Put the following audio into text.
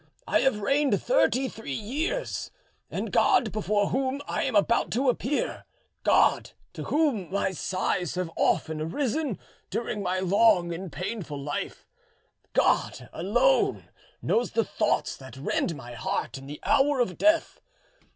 I have reigned thirty three years, and God before whom I am about to appear, God to whom my sighs have often arisen during my long and painful life, God alone knows the thoughts that rend my heart in the hour of death.